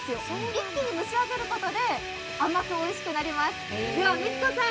一気に蒸し上げることで甘くおいしくなります。